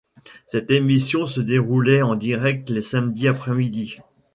Cette émission se déroulait en direct les samedis après-midi.